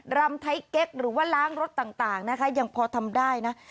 รำไทยเก๊กหรือว่าล้างรถต่างนะคะยังพอทำได้นะ